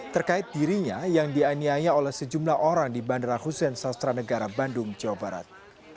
terkait dirinya yang dianiaya oleh sejumlah orang di bandara hussein sastra negara bandung jawa barat